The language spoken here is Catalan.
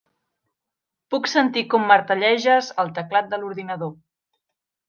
Puc sentir com martelleges el teclat de l'ordinador.